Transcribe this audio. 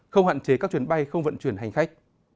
không hạn chế các chuyến bay không vận chuyển hành khách